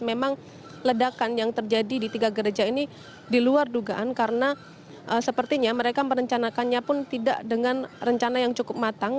memang ledakan yang terjadi di tiga gereja ini diluar dugaan karena sepertinya mereka merencanakannya pun tidak dengan rencana yang cukup matang